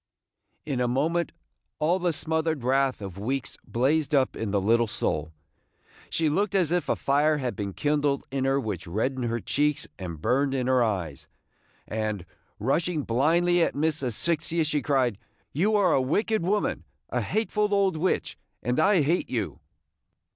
In a moment all the smothered wrath of weeks blazed up in the little soul. She looked as if a fire had been kindled in her which reddened her cheeks and burned in her eyes; and, rushing blindly at Miss Asphyxia, she cried, "You are a wicked woman, a hateful old witch, and I hate you!"